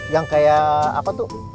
yang kayak apa tuh